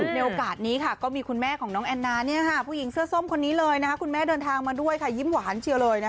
ในโอกาสนี้ค่ะก็มีคุณแม่ของน้องแอนนาผู้หญิงเสื้อส้มคนนี้เลยคุณแม่เดินทางมาด้วยค่ะยิ้มหวานเชียวเลย